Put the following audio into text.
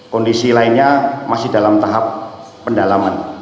kondisi lainnya masih dalam tahap pendalaman